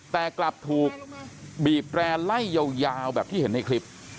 แต่กลับถูกบีบแรร์ไล่ยาวแบบที่เห็นในคลิป